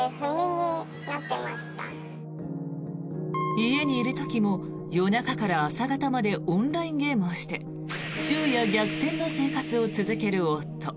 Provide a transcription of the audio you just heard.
家にいる時も夜中から朝方までオンラインゲームをして昼夜逆転の生活を続ける夫。